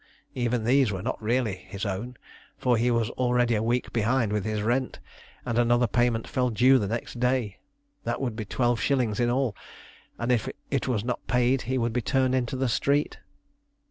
Even these were not really his own, for he was already a week behind with his rent, and another payment fell due the next day. That would be twelve shillings in all, and if it was not paid he would be turned into the street.